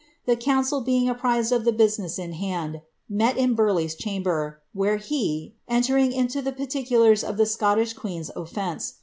The council, being apprised of the business in hand, met in Burleigh's chambn, j where he, entering into the particulars of the Scottish queen's ofenct.